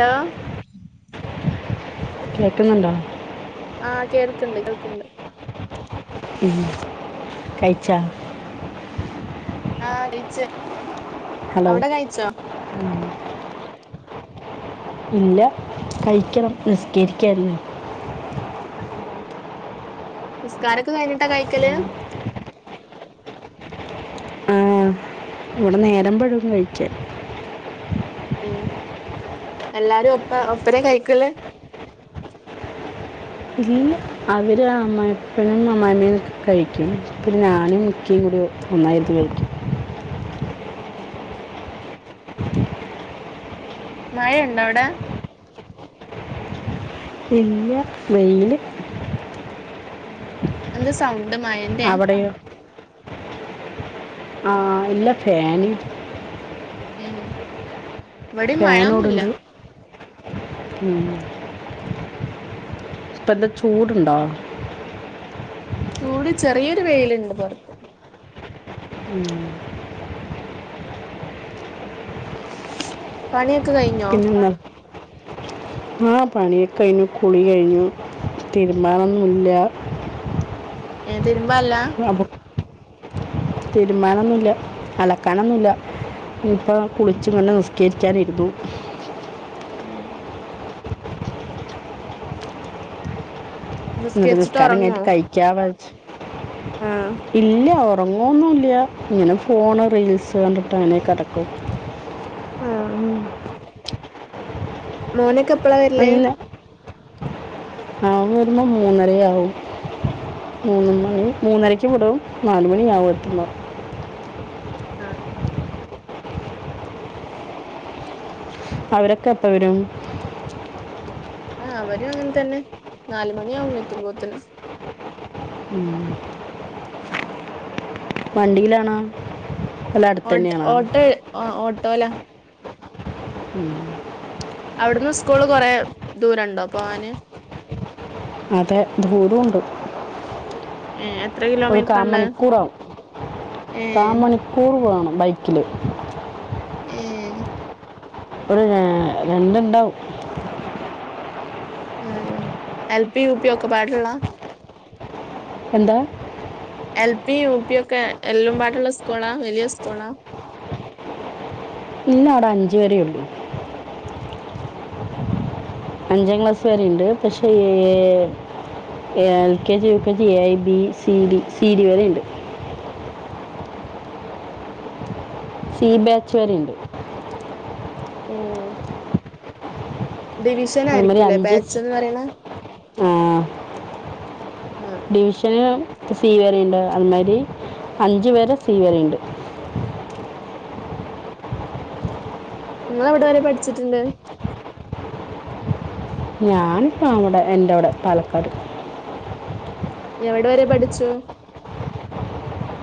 Hello കേക്കുന്നുണ്ടോ? ആഹ് കേൾക്കണ്ട് കേൾക്കണ്ട്. ഉം കൈച്ച? ആഹ് കഴിച്ച് ഹലോ അവിടെ കഴിച്ചോ ഇല്ല കഴിക്കണം നിസ്കരിക്കയിരുന്നു. നിസ്കാരൊക്കെ കഴിഞ്ഞിട്ടാ കഴിക്കല്? ആ ഇവിടെ നേരമ്പഴും കഴിക്ക ഉം എല്ലാരും ഒപ്പ ഒപ്പര കഴിക്കൽ? ഇല്ല അവർ അമ്മയിപ്പനും അമ്മയിഅമ്മയും കഴിക്കും പിന്നെ ഞാനും ഇക്കിയും കൂടി ഒന്നായിരത്തി ക ഉം മഴ ഉണ്ടോ അവിടെ? ഇല്ല വെയിൽ. എന്താ സൗണ്ട് മഴന്റെയ? [unintelligible] ആഹ് അല്ല ഫാൻ ഉം ഇവിടിം ഫാൻ മഴൊന്നുല്ല ഒടുണ്ട്. ഇപ്പന്ത ചൂടുണ്ടോ? ചൂടി ചെറിയൊരു വെയിലുണ്ട് പുറത്ത്. ഉം പണിയൊക്കെ കഴിഞ്ഞൊ? പിന്നെ? ആഹ് പണിയൊക്കെ കഴിഞ്ഞു കുളി കഴിഞ്ഞു തീരുമ്പാനൊന്നുല്ല. ഏഹ് തിരുമ്പാനില്ലാ [unintelligible] തീരുമ്പാനൊന്നുല്ല അലക്കാനൊന്നുല്ല. ഇപ്പ കുളിച്ചു പിന്നെ നിസ്കരിക്കാനിരുന്നു. ഉം ന്നട്ട് നിസ്കരിച്ചിട്ട് നിസ്കാരം ഒറങ്ങോ കയിഞ്ഞ്ട്ട് കഴിക്ക വെച്ച് ആഹ് ഇല്ല ഒറങ്ങോന്നുല്യ. ങ്ങനെ ഫോണ് റീൽസ് കണ്ടിട്ട് അങ്ങനെ കടക്കും. ആഹ് ഉം മോനൊക്കെപ്പളാ വര്ല്? ഓൻ വരുമ്പോ മൂന്നരയാവും. മൂന്ന് മണി മൂന്നരയ്ക്ക് വിടും നാല് മണിയാവും എത്തുമ്പോ. ആഹ് അവരൊക്കെപ്പ വരും? ആഹ്. അവരും അങ്ങൻ തന്നെ. നാല് മണിയാവും എത്തുമ്പോത്ത്ന്. ഉം വണ്ടീലാണോ? ഓട് ഓട്ട് ആഹ് ഓട്ടോല. ഉം അവിടുന്ന് സ്കൂള് കൊറെ ദൂരണ്ടോ പോവാന്? അതെ ദൂരൂണ്ട്. ഏഹ് എത്ര കാ കിലോമീറ്റ്ർണ്ട് മണിക്കൂറാവും ഏഹ്? ടൂർ പോവണം ബൈക്കില് ഏഹ് ഒരു ഏഹ് രണ്ട്ണ്ടാവും ഏഹ് എൽ പി യു പി ഒക്കെപാടള്ള എന്താ? എൽ പി യു പി ഒക്കെ, എല്ലും പാടള്ള സ്കൂളാ വലിയ സ്കൂളാ ഇല്ല അവടെ അഞ്ച് വരേ ഉള്ളൂ അഹ് അഞ്ചാം ക്ലാസ് വരെ ണ്ട് പക്ഷേ [unintelligible] L K G U K G, A B C D C D വരെണ്ട് സി ബാച്ചുവരെ ഇണ്ട് ഉം ഡിവിഷൻ അത് മരി ആയിരിക്കൂല്ലേ ബാച്ച് അഞ്ജുസ് എന്ന് പറയണ ആഹ് ആ ഡിവിഷന് സീവരെണ്ട് അതുമാരി അഞ്ചു വരെ സീവരെ ഇണ്ട് ഉം ഇങ്ങളെവിടെ വരെ പഠിച്ചിട്ട്ണ്ട് ഞാൻപ്പ അവടെ എൻ്റെ അവിടെ പാലക്കാട് എവിടെ വരെ പഠിച്ചു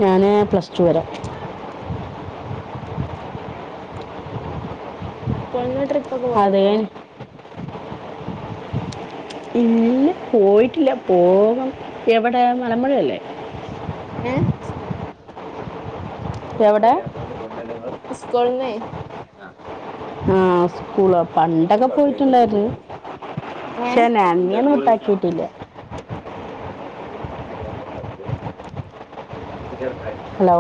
ഞാന് പ്ലസ് ടു വരെ സ്കൂൾന്ന് ട്രിപ്പൊക്കെ അത് പോയായ്ര്ന്നോ കഴിഞ്ഞ് ഇല്ല പോയിട്ടില്ല, പോകം എവടെ മലമ്പുഴയല്ലേ ഏഹ് എവിടെ സ്കൂൾന്നേയ് ആഹ് സ്കൂളാ പ് പണ്ടൊക്കെ പോയിട്ടുണ്ടായിര്ന്നു. ഏ ക്ഷേ നാ ന്നിയോന്നും വിട്ടാക്കിട്ടില്ല [inaudible] ഹലോ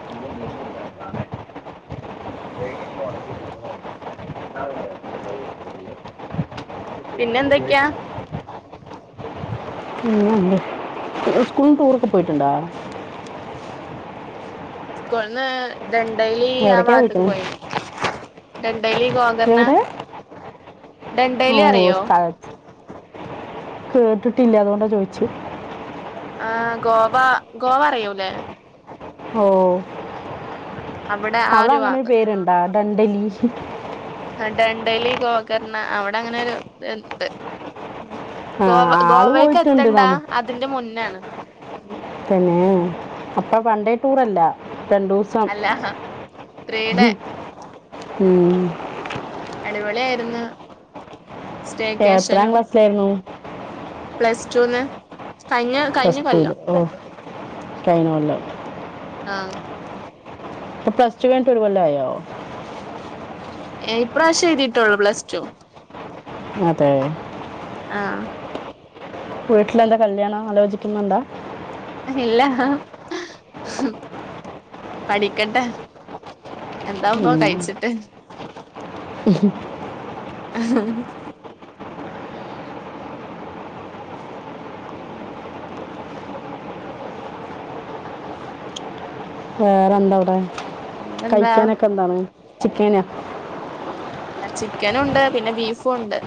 അ ഇത ആ [inaudible] [inaudible] പിന്നെന്തൊക്യാ പിന്നെന്ത്. സ്കൂൾന്ന് ടൂറൊക്കെ പോയിട്ട്ണ്ടാ സ്കൂൾന്ന് ദണ്ടെയ്ലീ ആ എവിടേക്കാ ബാത്ത്ക്ക് പോയിട്ടുള്ളത് പോയിനി ഡണ്ടൈലി ഗോകർണ എവിടെ ഓ ഡണ്ടൈലി അറിയോ സ്ഥലം കേട്ടിട്ടില്ല അതുകൊണ്ടാ ചോയ്ച്ചെ ആ ഗോവ ഗോവ അറിയൂലെ ഓ അവിടെ അങ്ങനെ ഒരു പേരുണ്ടാ ഡണ്ടലി ആ ഡണ്ടലി ഗോകർണ അവിടെ അങ്ങനെ ഒരു ത്ണ്ട് ആ ഗോവ ആള് പോയിട്ടുണ്ട് ഗോവേക്കെത്തണ്ടാ നമ്മ അതിന്റെ മുന്നാണ് തന്നേ അപ്പൊ വൺ ഡേ ടൂറല്ല രണ്ടുസ്‌ സം അല്ല ത്രീയുടെ അടിപൊളിയായിരുന്നു എത്രാം സ്റ്റേക്കേഷനും ക്ലാസ്സിലായിരുന്നു പ്ലസ്റ്റൂന്ന് പ്ലസ്ല്റ്റൂല് ഓ കഴിഞ്ഞ കൊല്ലം ആഹ് ഇപ്പ പ്ലസ്റ്റൂ കയ്ഞ്ട്ട് ഒരു കൊല്ലായോ? ഇപ്പ്രാവശ്യം എഴുതിട്ടോള്ളൂ പ്ലസ് റ്റൂ അതെ ആഹ് വീട്ടിലെന്താ കല്യാണം ആലോചിക്കുന്നുണ്ടാ ഇല്ല പഠിക്കട്ടെ. എന്താ ഇപ്പോ കഴിച്ചിട്ട്? ഉഹും ഉഹും വേറെന്താ വിടെ പിന്നെന്താ കഴിക്കാനൊക്കെ എന്താണ് ചിക്കന? ചിക്കനുംണ്ട് പിന്നെ ബീഫുംണ്ട്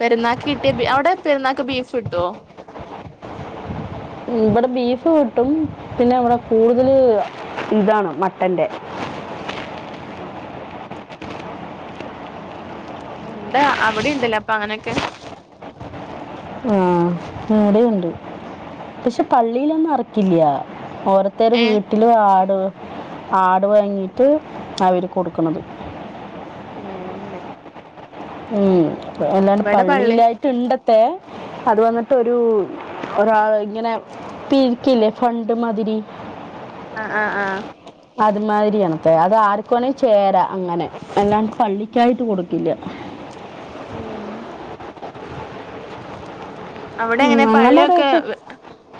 പെരുന്നാക്ക് കിട്ടിയ ബീ അവിടെ പെരുന്നാക്ക് ബീഫ് കിട്ടുവോ? ഇവിടെ ബീഫ് കിട്ടും പിന്നെ ഇവിടെ കൂടുതൽ ഇതാണ് മട്ടന്റെ. ഉം ണ്ടാ അവിടെ ഇണ്ട്ല്ലേ അപ്പൊ അങ്ങനെക്കെ? ആ ഏടെണ്ട് പക്ഷെ പള്ളിയിലൊന്നും അറക്കില്യ ഓരോത്തര ഏ വീട്ടില് ആട്. ആട് വാങ്ങിട്ട് അവര് കൊടുക്കണത്. ഏ അങ്ങനെ. ഉം അല്ലാണ്ട് ഇവിടെ പള്ളി പള്ളിയിലായി ട്ട് ണ്ടത്തെ അത് വന്നിട്ടൊരു ഒരാൾ ഇങ്ങനെ പിരിക്കില്ലേ ഫണ്ട് മാതിരി. ആഹ് ആഹ് ആഹ് അത് മാതിരി ആണത്തെ അത് ആർക്കുവേണേൽ ചേരാ അങ്ങനെ. അല്ലാണ്ട് പള്ളിക്കായിട്ട് കൊടുക്കില്യ ഉം അവിടെ ഉം, എങ്ങനെ ഞങ്ങളുടെ പള്ളിയൊക്കെ അവിടെയൊക്കെ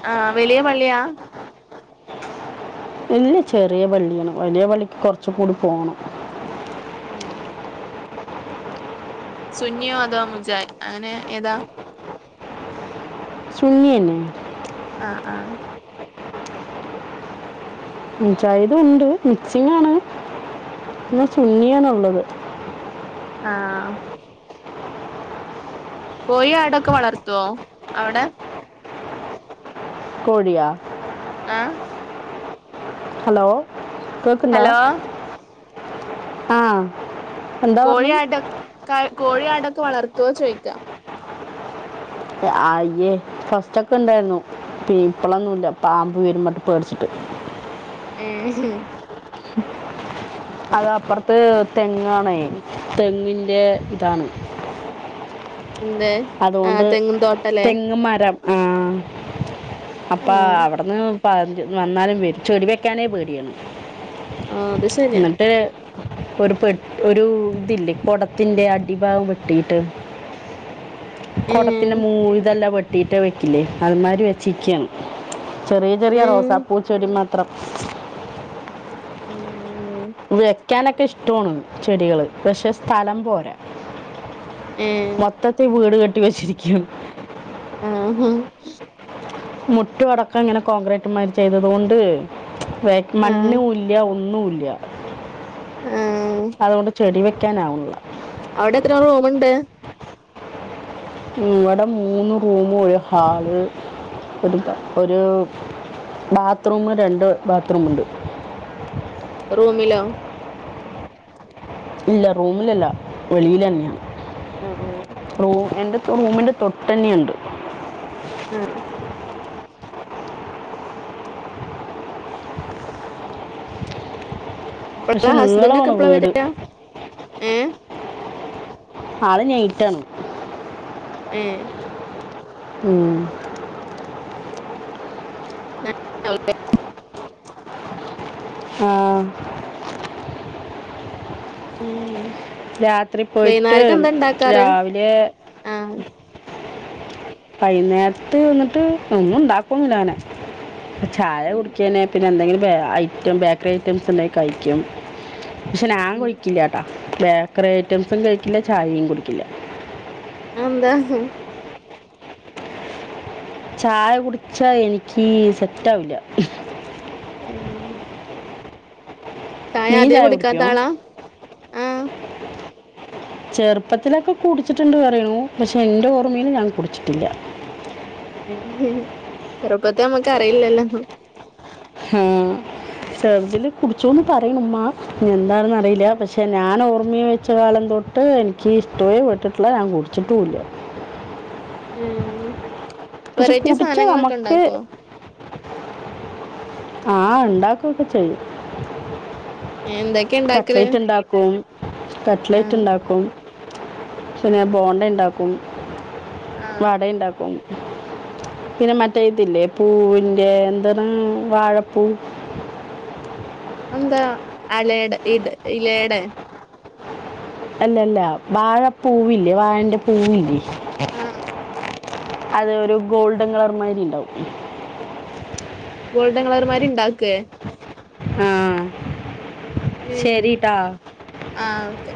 ആ വലിയ പള്ളിയാ? ഇല്യ ചെറിയ പള്ളിയാണ് വലിയ പള്ളിക്ക് കുറച്ച് കൂടി പോണം. ഏ സുന്നിയോ അതോ മുജായ് അങ്ങനെ ഏതാ? സുന്നിയന്നെ. ആഹ് മുജാഹിദുണ്ട് മിക്സിങ്ങാണ് ന്നസുന്നിയാണുള്ളത്. ആഹ് കോയി ആടൊക്കെ വളർത്തുവോ അവിടെ? കോഴിയാ? ആഹ് ഹലോ കേക്ക്ണ്ടാ ഹലോ ആ എന്താ പറഞ്ഞു കോഴിയാട കോഴിയാടൊക്കെ വളർത്തോ ചോദിക്ക? ആയ്യേ ഫസ്റ്റ് ഒക്കെ ഇണ്ടായിരുന്നു. പീപ്പളൊന്നുല്ല പാമ്പ് വരും പറഞ്ഞിട്ട് പേടിച്ചിട്ട്. ഏഹ് [inaudible] അതാ അപ്പറത്ത് തെങ്ങാണേ തെങ്ങിന്റെ ഇതാണ്. എന്തെ ആഹ് തെങ്ങും തോട്ടല്ലേ? ങ്ങ് മരം ആഹ് ആ അപ്പാ അവിടുന്ന് പ വന്നാലും വെ ചെടി വെക്കാനേ പേടിയാണ്. ആ അത് ശരിയാ എന്നിട്ട് ഒരു പെട്ടി ഒരു ഇതില്ലേ കൊടത്തിന്റെ അടിഭാഗം വെട്ടിട്ട്. കൊടത്തിന്റെ ഏ മൂള് ഇതെല്ലാം വെട്ടിയിട്ട് വെക്കില്ലേ അത് മാതിരി വെച്ചേക്കാണ്. ചെറിയ ചെറിയ ഉം റോസാപ്പൂച്ചെടി മാത്രം. ഉം വെക്കാനൊക്കെ ഇഷ്ട്ടോണ് ചെടികള് പക്ഷെ സ്ഥലം പോരാ. ഏഹ് മൊത്തത്തി വീട് കെട്ടി വെച്ചിരിക്കാണ്. ആ ഹാ മുറ്റഅടക്കം ഇങ്ങനെ കോൺക്രീറ്റുമാരി ചെയ്തത് കൊണ്ട്. വേക് ആഹ് മണ്ണൂല്ല്യ ഒന്നൂല്ല്യ. ആഹ് അതോണ്ട് ചെടി വെക്കാനാവുല്ല. അവിടെത്ര റൂമ്ണ്ട്? ഉം വടെ മൂന്ന് റൂമ് ഒരു ഹാള് ഒരു ക ഒരു ബാത്ത്റൂമ് രണ്ട് ബാത്ത്റൂമ്ണ്ട്. റൂമിലോ? ഇല്ല റൂമിലല്ല വെളീലന്ന്യാ ആഹ് ആഹ് റൂ എൻ്റെ റൂമിന്റെ തൊട്ടന്നെയ്ണ്ട്. ഉം പക്ഷെ പ്പളാ നീളമാണ് ഹസ്ബന്റൊക്കെപ്പളാ വീട് വരാ? ഏഹ് ആള് നൈറ്റാണ്. ഏഹ് ഉം [unintelligible] ആഹ് ഉം രാത്രി പോയ്ട്ട് വൈന്നേരക്ക് എന്താ ഇണ്ടാക്കാറ് രാവിലേ ആഹ് വൈന്നേര്ത്ത് ന്നിട്ട് ഒന്നുണ്ടാക്കൊന്നുല്ലങ്ങനെ ചായ ഉം കുടിക്യന്നെ പിന്നെന്തെങ്കിലും ഐറ്റം ബേക്കറി ഐറ്റംസ് ണ്ടെങ്കി കഴിക്കും. ക്ഷെ നാൻ ഉം കുഴിക്കില്ലാട്ടാ ബേക്കറി ഐറ്റംസും കഴിക്കില്ല ചായിം കുടിക്കില്ല. അഅന്താ? ചായ കുട്ച്ചാ എനിക്ക് സെറ്റാവില്ല. ഉം ചായ നീ ആദ്യേ കുടിക്കുമോ കുടിക്കാത്താളാ? ആഹ് ചെർപ്പത്തിലക്കെ കുടിച്ചിട്ട്ണ്ട് പറയുണു. പക്ഷെ എന്റെ ഓർമീല് ഞാൻ കുട്ച്ചിട്ടില്ല. [unintelligible] ചെറുപ്പത്തെ നമ്മുക്ക് അറിയില്ലല്ലോ. ഉം ചെർതില് കുട്ച്ചൂന്ന് പറയണുമ്മ എന്താണെന്നറിയില്ല പക്ഷെ ഞാനോർമ്മ്യ വെച്ച കാലം തൊട്ട് എനിക്ക് ഇഷ്ട്യോ പെട്ടെട്ട്ല്ല ഞാൻ കുട് ച്ട്ടൂല്ല. ഉം പക്ഷെ വെറൈറ്റി കുടിച്ചാൽ സാനങ്ങളൊക്കെ നമുക്ക് ഇണ്ടാക്കോ? ആഹ് ണ്ടാക്കൊക്കെ ചെയ്യും. ഏണ്ടാക്ക് കട്ടലേറ്റ്ണ്ടാ ക്കും ആഹ് കട്ട്ലേറ്റ്ണ്ടാക്കും പിന്നെ ഞാന് ബോണ്ട ഇണ്ടാ ക്കും ആഹ് വട ഇണ്ടാക്കും. പിന്നെ മറ്റേ ഇതില്ലേ പൂവിന്റെ ന്തണ് വാഴപ്പൂ അതെന്താ അലയടെ ഇട് ഇലയടെ? അല്ല അല്ല വാഴപ്പൂവില്ലേ വാഴന്റെ പൂവില്ലേ. ആ അത് ഒരു ഗോൾഡൻ കളർ മായ്രി ണ്ടാവും. ഗോൾഡൻ കളർമാരി ണ്ടാക്കേ? ആഹ്. ഇ ആഹ് ഓക്കെ.